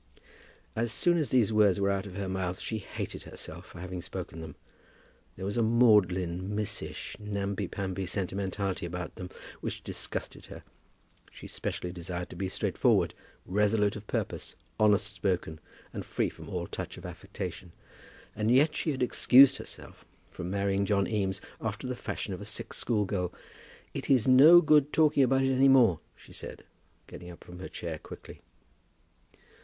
As soon as these words were out of her mouth, she hated herself for having spoken them. There was a maudlin, missish, namby mamby sentimentality about them which disgusted her. She specially desired to be straightforward, resolute of purpose, honest spoken, and free from all touch of affectation. And yet she had excused herself from marrying John Eames after the fashion of a sick schoolgirl. "It is no good talking about it any more," she said, getting up from her chair quickly.